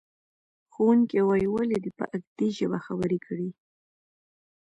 ښوونکی وایي، ولې دې په اکدي ژبه خبرې کړې؟